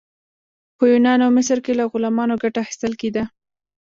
په یونان او مصر کې له غلامانو ګټه اخیستل کیده.